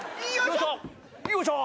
よいしょ。